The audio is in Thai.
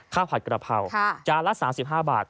ผัดกระเพราจานละ๓๕บาท